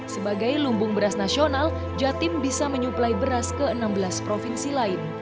sebagai lumbung beras nasional jatim bisa menyuplai beras ke enam belas provinsi lain